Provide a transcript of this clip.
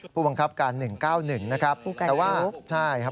ผู้บังคับการ๑๙๑นะครับ